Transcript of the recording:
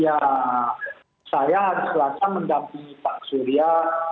ya saya hari selasa mendampingi pak surya